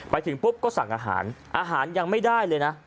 ไปถึงปุ๊บก็สั่งอาหารอาหารยังไม่ได้เลยนะ